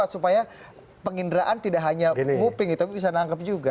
supaya pengindaraan tidak hanya nguping tapi bisa dianggap juga